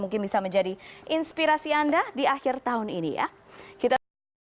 mungkin bisa menjadi inspirasi anda di akhir tahun ini ya kita tunggu